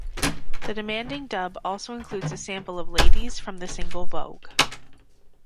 The "Demanding Dub" also includes a sample of "Ladies" from the single "Vogue".